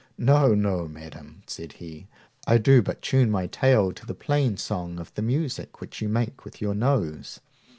No, no, madam, said he, I do but tune my tail to the plain song of the music which you make with your nose.